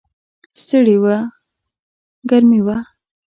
ستړي و، ګرمي وه.